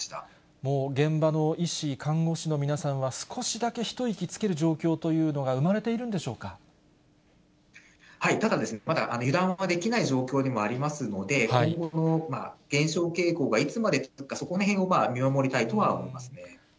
もう現場の医師、看護師の皆さんは、少しだけ一息つける状況というのが生まれているんでしょただですね、まだ油断はできない状況にもありますので、今後の減少傾向がいつまで続くか、そこらへんを見守りたいとは思いますね。